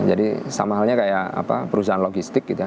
jadi sama halnya kayak perusahaan logistik gitu ya